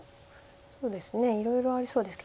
そうですねいろいろありそうですけど。